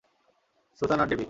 Susan আর ডেবি।